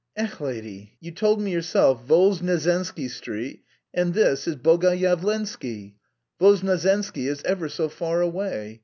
"Ech, lady, you told me yourself Voznesensky Street and this is Bogoyavlensky; Voznesensky is ever so far away.